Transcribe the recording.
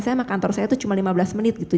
saya kantor saya tuh cuma lima belas menit gitu